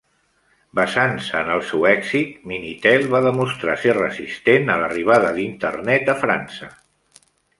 Basant-se en el seu èxit, Minitel va demostrar ser resistent a l'arribada d'internet a França.